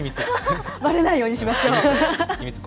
ばれないようにしましょう。